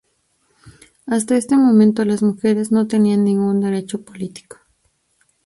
Hasta este momento las mujeres no tenían ningún derecho político.